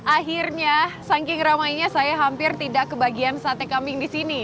akhirnya saking ramainya saya hampir tidak kebagian sate kambing di sini